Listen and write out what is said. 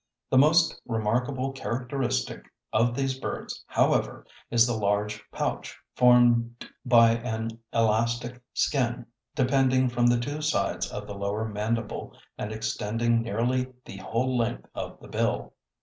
The most remarkable characteristic of these birds, however, is the large pouch formed by an elastic skin depending from the two sides of the lower mandible and extending nearly the whole length of the bill.